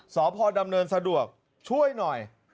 สพดำเนินสะดวกช่วยหน่อย